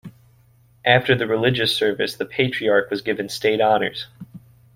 After the religious service, the Patriarch was given state honors.